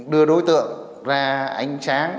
đưa đối tượng ra ánh sáng